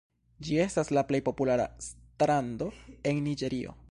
Ĝi estas la plej populara strando en Niĝerio.